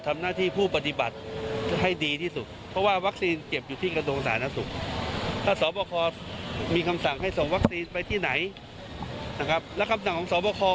มีประหลัดกระทรวงสาธารณสุข